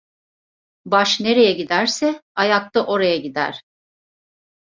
Baş nereye giderse, ayak da oraya gider.